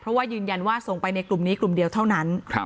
เพราะว่ายืนยันว่าส่งไปในกลุ่มนี้กลุ่มเดียวเท่านั้น